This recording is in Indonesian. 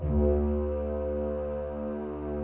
gua tuh mau tidur padahal